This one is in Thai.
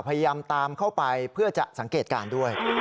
พยายามตามเข้าไปเพื่อจะสังเกตการณ์ด้วย